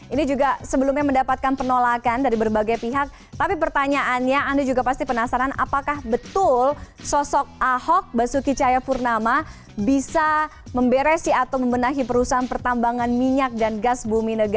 ini juga sebelumnya mendapatkan penolakan dari berbagai pihak tapi pertanyaannya anda juga pasti penasaran apakah betul sosok ahok basuki cahayapurnama bisa memberesi atau membenahi perusahaan pertambangan minyak dan gas bumi negara